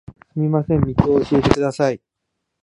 すみません、道を教えてください